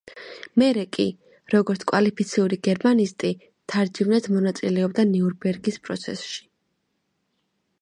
მერე კი, როგორც კვალიფიციური გერმანისტი, თარჯიმნად მონაწილეობდა ნიურნბერგის პროცესში.